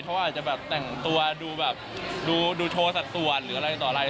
เขาอาจจะแบบแต่งตัวดูแบบดูโชว์สัดส่วนหรืออะไรต่ออะไร